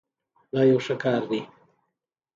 دا یو ښه کار دی.